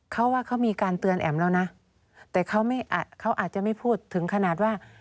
เขาว่าเขามีการเตือนแอ๋มแล้วนะแต่เขาไม่เขาอาจจะไม่พูดถึงขนาดว่า